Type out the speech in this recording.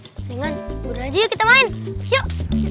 mendingan berada yuk kita main yuk